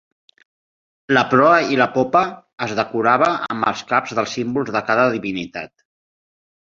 La proa i la popa es decorava amb els caps dels símbols de cada divinitat.